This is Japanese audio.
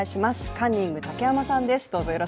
カンニング竹山さんです。